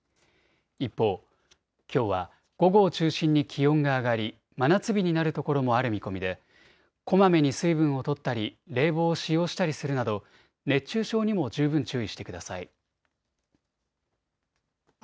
一方、きょうは午後を中心に気温が上がり真夏日になるところもある見込みでこまめに水分をとったり冷房を使用したりするなど熱中症にも十分注意してください。